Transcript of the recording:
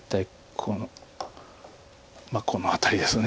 ここの辺りですね。